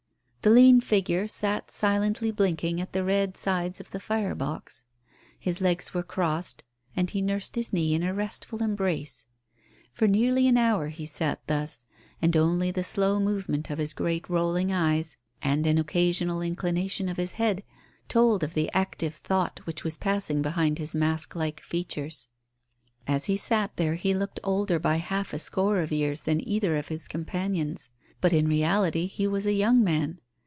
The lean figure sat silently blinking at the red sides of the fire box. His legs were crossed, and he nursed his knee in a restful embrace. For nearly an hour he sat thus, and only the slow movement of his great rolling eyes, and an occasional inclination of his head told of the active thought which was passing behind his mask like features. As he sat there he looked older by half a score of years than either of his companions, but, in reality, he was a young man.